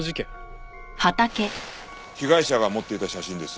被害者が持っていた写真です。